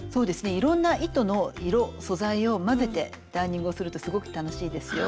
いろんな糸の色素材を交ぜてダーニングをするとすごく楽しいですよ。